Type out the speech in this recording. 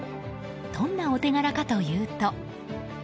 どんなお手柄かというと。